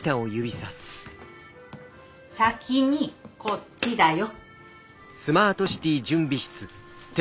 先にこっちだよ。